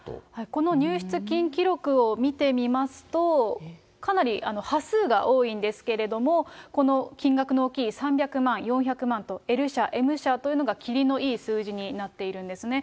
この入出金記録を見てみますと、かなり端数が多いんですけれども、この金額の大きい３００万、４００万と、Ｌ社、Ｍ社というのが切りのいい数字になっているんですね。